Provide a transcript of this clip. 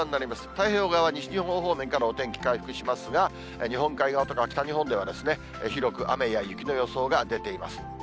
太平洋側は西日本方面からお天気回復しますが、日本海側とか、北日本では、広く雨や雪の予想が出ています。